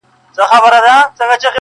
• لا څو زیاتي چي ښې ساندي یې ویلي -